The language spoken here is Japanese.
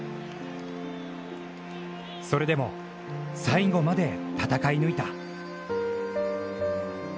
それでも、最後まで戦い抜いた。